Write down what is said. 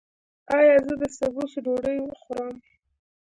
ایا زه د سبوس ډوډۍ وخورم؟